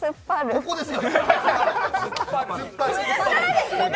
ここです！